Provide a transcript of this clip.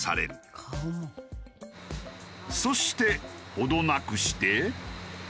そして程なくして。